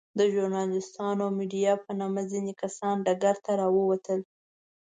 د ژورناليستانو او ميډيا په نامه ځينې کسان ډګر ته راووتل.